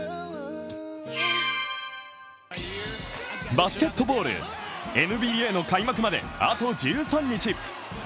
バスケットボール、ＮＢＡの開幕まであと１３日。